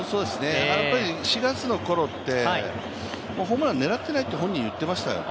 ４月のころって、ホームラン狙っていないって本人いっていましたよ。